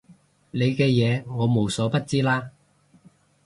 你嘅嘢我無所不知啦